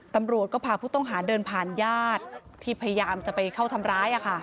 ตำรวจก็พาผู้ต้องหาเดินผ่านญาติที่พยายามจะไปเข้าทำร้าย